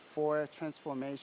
berusaha untuk transformasi